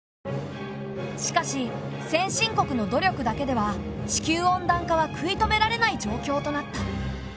しかし先進国の努力だけでは地球温暖化は食い止められない状況となった。